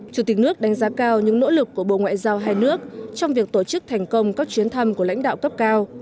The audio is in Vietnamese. chủ tịch nước đánh giá cao những nỗ lực của bộ ngoại giao hai nước trong việc tổ chức thành công các chuyến thăm của lãnh đạo cấp cao